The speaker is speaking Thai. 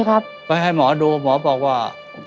คุณผู้ชมต้องทดครับผม